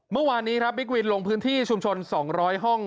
เมื่อวานนี้ครับบิ๊กวินลงพื้นที่ชุมชน๒๐๐ห้อง